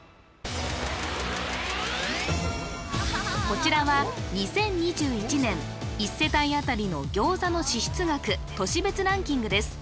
こちらは２０２１年１世帯あたりの餃子の支出額都市別ランキングです